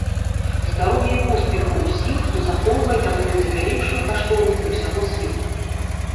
Здароўя і поспехаў усім, хто захоўвае такую найвялікшую каштоўнасць для ўсяго свету.